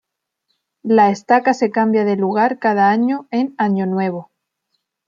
La estaca se cambia de lugar cada año en Año Nuevo.